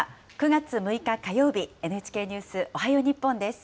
９月６日火曜日、ＮＨＫニュースおはよう日本です。